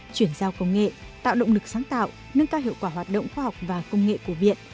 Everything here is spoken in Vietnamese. chuyển giao công nghệ tạo động lực sáng tạo nâng cao hiệu quả hoạt động khoa học và công nghệ của viện